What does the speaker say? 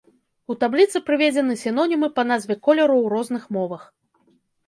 У табліцы прыведзены сінонімы па назве колеру ў розных мовах.